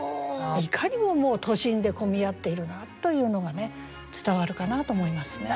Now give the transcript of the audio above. いかにももう都心で混み合っているなというのが伝わるかなと思いますね。